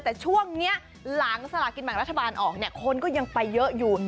แต่ช่วงนี้หลังสลากินแบ่งรัฐบาลออกเนี่ยคนก็ยังไปเยอะอยู่